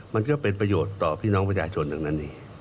มันก็เป็นประโยชน์ต่อพี่น้องประชาชนทั้งนั้นเอง